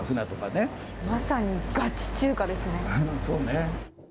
まさにガチ中華ですね。